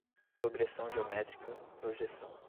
progressão geométrica, projeção